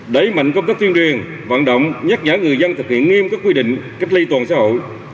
đẩy mạnh công tác tuyên truyền vận động nhắc nhở người dân thực hiện nghiêm các quy định cách ly toàn xã hội